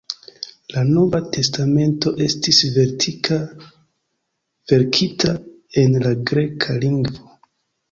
La Nova Testamento estis verkita en la greka lingvo.